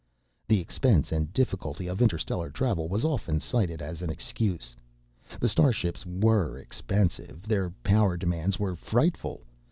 The expense and difficulty of interstellar travel was often cited as an excuse. The starships were expensive: their power demands were frightful.